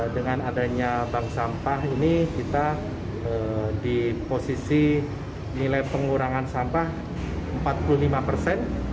dengan adanya bank sampah ini kita di posisi nilai pengurangan sampah empat puluh lima persen